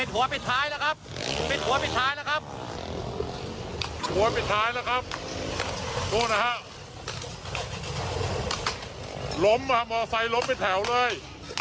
หล่มมาหมาไซม์หลมไปแถวเลย